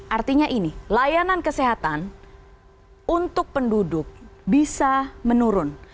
artinya ini layanan kesehatan untuk penduduk bisa menurun